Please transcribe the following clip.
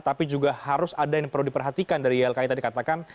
tapi juga harus ada yang perlu diperhatikan dari ylki tadi katakan